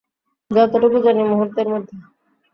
যতোটুকু জানি, মূহুর্তের মধ্যে।